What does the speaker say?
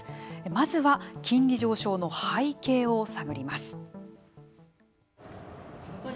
まずは金利上昇の背景を探ります。